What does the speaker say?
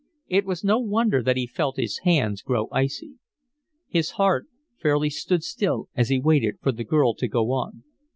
It was no wonder that he felt his hands grow icy. His heart fairly stood still as he waited for the girl to go on.